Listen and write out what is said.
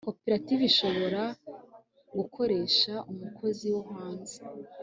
koperative ishobora gukoreresha umukozi wo hanze